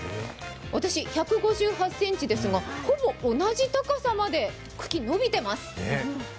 私１５８ｃｍですがほぼ同じ高さまで茎伸びています。